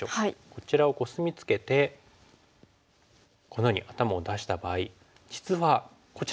こちらをコスミツケてこのように頭を出した場合実はこちらも高いですよね。